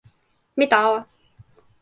mi tawa.